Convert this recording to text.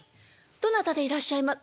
どなたでいらっしゃいま。